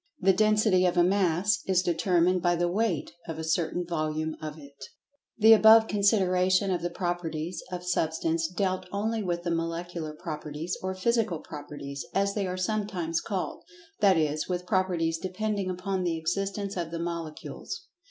The "Density" of a "Mass" is determined by the weight of a certain "Volume" of it. The above consideration of the "Properties" of Substance dealt only with the Molecular Properties, or Physical Properties, as they are sometimes called—that is, with properties depending upon the existence of the Molecules.